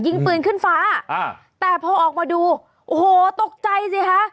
ยิงปืนขึ้นฟ้าอ่าแต่พอออกมาดูโอ้โหตกใจสิคะ